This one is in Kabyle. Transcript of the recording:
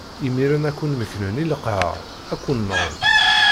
Imiren ad ken-mekknen i leqher, ad ken-nɣen.